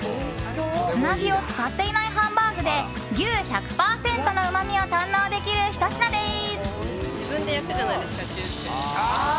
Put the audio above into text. つなぎを使っていないハンバーグで牛１００％のうまみを堪能できるひと品です。